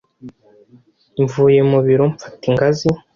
Mvuye mu biro, mfata ingazi,